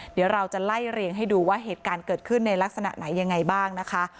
เดี๋ยวเราจะไล่เรียงให้ดูว่าเหตุการณ์เกิดขึ้นในลักษณะไหนยังไงบ้างนะคะ